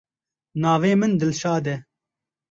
Navê min Dilşad e.